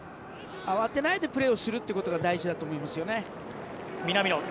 慌てないでプレーするってことが大事だと思いますね。